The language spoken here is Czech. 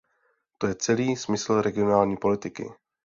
To je celý smysl regionální politiky.